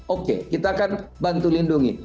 oke kita akan bantu lindungi